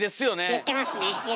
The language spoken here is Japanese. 言ってますね！